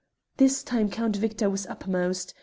This time Count Victor was uppermost.